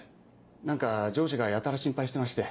何か上司がやたら心配してまして。